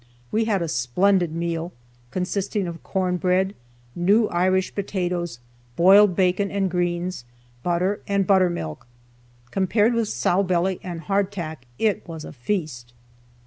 We had a splendid meal, consisting of corn bread, new Irish potatoes, boiled bacon and greens, butter and buttermilk. Compared with sow belly and hardtack, it was a feast.